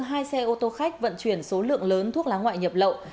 hai xe ô tô khách vận chuyển số lượng lớn thuốc lá ngoại nhập lậu